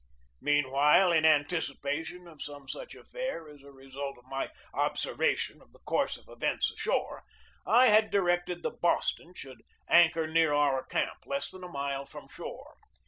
Meanwhile, in anticipation of some such affair as a result of my observation of the course of events ashore, I had directed that the Boston should anchor near our camp, less than a mile from shore.